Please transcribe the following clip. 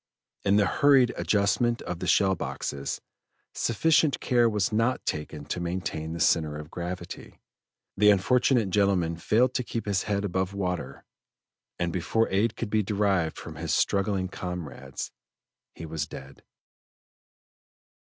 In the hurried adjustment of the shell boxes, sufficient care was not taken to maintain the center of gravity, the unfortunate gentleman failed to keep his head above water, and before aid could be derived from his struggling comrades, he was dead.